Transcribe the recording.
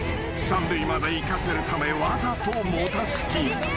［三塁まで行かせるためわざともたつき］